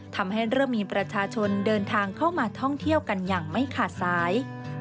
ทำให้เริ่มมีประชาชนเดินทางเข้ามาท่องเที่ยวกันอย่างไม่ขาดสาย